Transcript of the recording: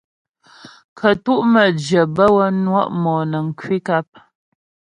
Kə́tu' məjyə bə́ wə́ nwɔ' mɔnəŋ kwi nkap.